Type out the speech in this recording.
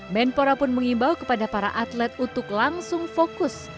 menpora pun mengimbau kepada para atlet untuk langsung fokus